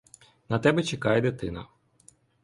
На тебе чекає дитина.